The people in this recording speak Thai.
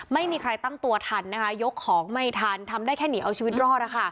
ไม่มีใครตั้งตัวทันนะคะยกของไม่ทันทำได้แค่หนีเอาชีวิตรอด